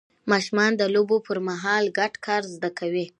ماشومان د لوبو پر مهال ګډ کار زده کوي